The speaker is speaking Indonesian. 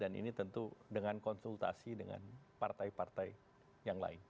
ini tentu dengan konsultasi dengan partai partai yang lain